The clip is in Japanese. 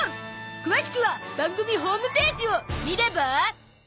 詳しくは番組ホームページを見れば？